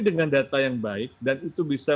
dengan data yang baik dan itu bisa